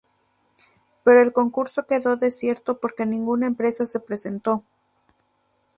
Pero el concurso quedó desierto porque ninguna empresa se presentó.